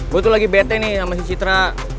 gue tuh lagi bete nih sama si citra